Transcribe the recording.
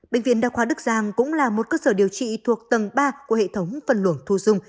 bệnh viện đa khoa đức giang cũng là một cơ sở điều trị thuộc tầng ba của hệ thống phân luồng thu dung